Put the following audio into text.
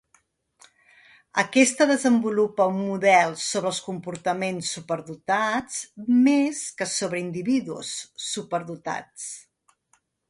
Aquesta, desenvolupa un model sobre els comportaments superdotats més que sobre individus superdotats.